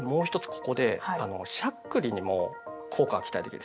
ここでしゃっくりにも効果が期待できるんです。